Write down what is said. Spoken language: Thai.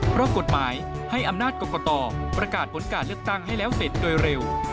เพราะกฎหมายให้อำนาจกรกตประกาศผลการเลือกตั้งให้แล้วเสร็จโดยเร็ว